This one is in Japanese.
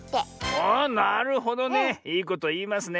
あなるほどね。いいこといいますね。